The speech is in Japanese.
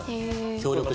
協力して。